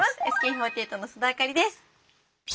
ＳＫＥ４８の須田亜香里です。